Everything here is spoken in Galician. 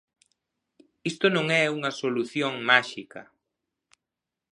Isto non é unha solución máxica.